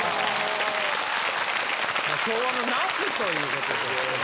昭和の夏ということですけど。